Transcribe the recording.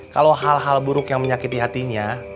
kalau hal hal buruk yang menyakiti hatinya